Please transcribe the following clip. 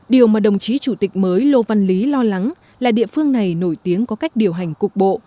điều mà đồng chí chủ tịch mới lô văn lý lo lắng là địa phương này nổi tiếng có cách điều hành cục bộ